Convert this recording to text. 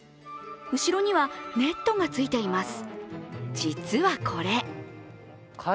後ろにはネットがついています。